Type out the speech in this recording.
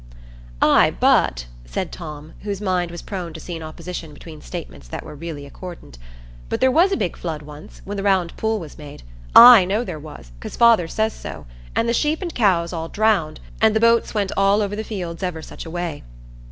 "Ay, but," said Tom, whose mind was prone to see an opposition between statements that were really accordant,—"but there was a big flood once, when the Round Pool was made. I know there was, 'cause father says so. And the sheep and cows all drowned, and the boats went all over the fields ever such a way."